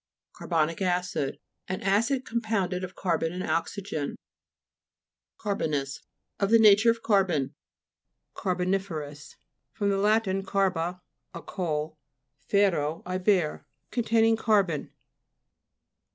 CAR'BONIC ACID An acid, com pounded of carbon and oxygen. CAR'BONOUS Of the nature of car bon. CARBOXI'FEROUS fr. lat. carbo, a coal, fero, I bear. Containing carbon.